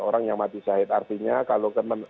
orang yang mati syahid artinya kalau